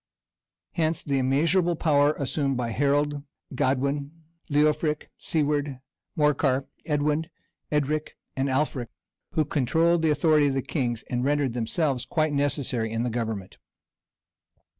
Hence the immeasurable power assumed by Harold, Godwin, Leofric, Siward, Morcar, Edwin, Edric, and Alfric who controlled the authority of the kings, and rendered themselves quite necessary in the government.